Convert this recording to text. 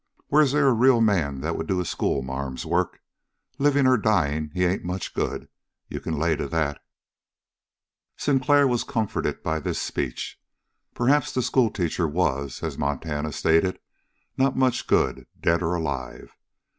Where's they a real man that would do a schoolma'am's work? Living or dying, he ain't much good. You can lay to that!" Sinclair was comforted by this speech. Perhaps the schoolteacher was, as Montana stated, not much good, dead or alive.